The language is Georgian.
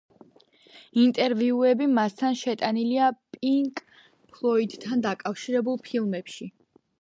ინტერვიუები მასთან შეტანილია პინკ ფლოიდთან დაკავშირებულ ფილმებში.